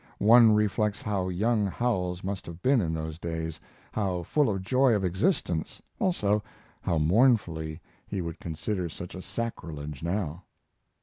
One reflects how young Howells must have been in those days; how full of the joy of existence; also how mournfully he would consider such a sacrilege now.